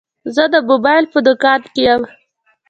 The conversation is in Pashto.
زه د موبایل په دوکان کي یم.